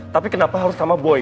tapi kenapa harus sama boy